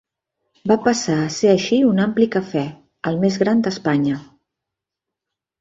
Va passar a ser així un ampli cafè, el més gran d'Espanya.